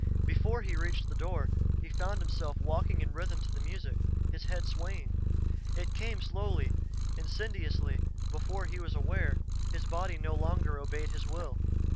Before he reached the door, he found himself walking in rhythm to the music, his head swaying. It came slowly, insidiously; before he was aware, his body no longer obeyed his will.